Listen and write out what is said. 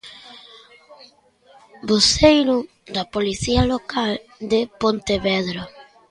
Voceiro da Policía Local de Pontevedra.